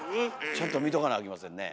ちゃんと見とかなあきませんね。